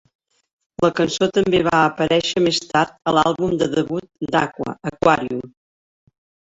La cançó també va aparèixer més tard a l'àlbum de debut d'Aqua "Aquarium".